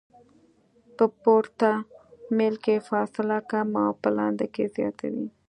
په پورته میل کې فاصله کمه او په لاندې کې زیاته وي